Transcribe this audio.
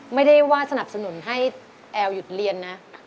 ไม่ได้ว่าสนับสนุนให้แอลหยุดเรียนนะ